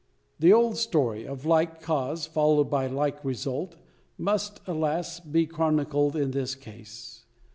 The old story, of like cause followed by like result, must, alas! be chronicled in this case.